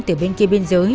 từ bên kia biên giới